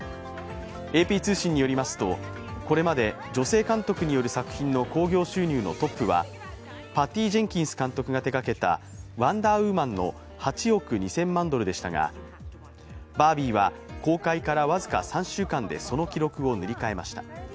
ＡＰ通信によりますと、これまで女性監督による作品の興行収入のトップはパティ・ジェンキンス監督が手がけた「ワンダーウーマン」の８億２０００万ドルでしたが、「バービー」は公開から僅か３週間でその記録を塗り替えました。